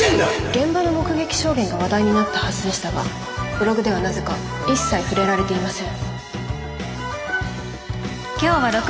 現場の目撃証言が話題になったはずでしたがブログではなぜか一切触れられていません。